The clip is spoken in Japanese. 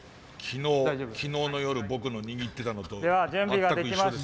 昨日の夜僕の握ってたのと全く一緒です。